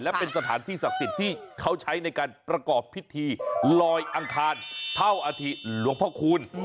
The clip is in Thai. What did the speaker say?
และเป็นสถานที่ศักดิ์สิทธิ์ที่เขาใช้ในการประกอบพิธีลอยอังคารเท่าอธิหลวงพ่อคูณ